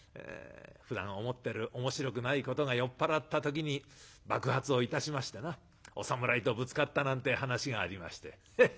ふだん思ってるおもしろくないことが酔っ払った時に爆発をいたしましてなお侍とぶつかったなんてえ噺がありまして。